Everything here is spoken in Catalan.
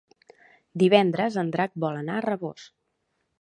Divendres en Drac vol anar a Rabós.